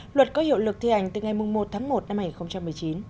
luật có hiệu lực thi hành từ ngày một tháng một năm hai nghìn một mươi chín